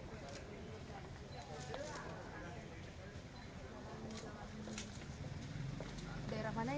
boleh kasih lihat